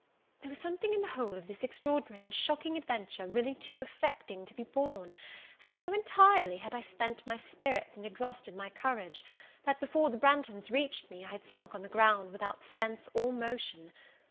There was something in the whole of this extraordinary and shocking adventure, really too affecting to be borne; and so entirely had I spent my spirits, and exhausted my courage, that before the Branghtons reached me, I had sunk on the ground without sense or motion.